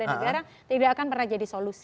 negara tidak akan pernah jadi solusi